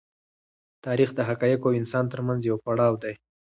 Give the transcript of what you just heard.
تاریخ د حقایقو او انسان تر منځ یو پړاو دی.